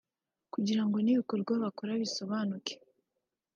kugira ngo n’ibikorwa bakora bisobanuke